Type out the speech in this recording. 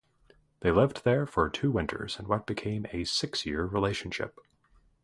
They lived there for two winters in what became a six-year relationship.